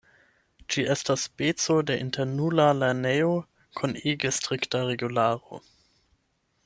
Ĝi estas speco de internula lernejo kun ege strikta regularo.